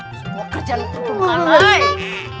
semua kerjaan itu kalah